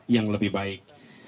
yang lebih baik